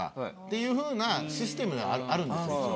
いうふうなシステムがあるんですよ。